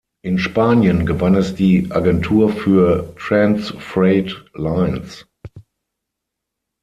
In Spanien gewann es die Agentur für "Trans Freight Lines".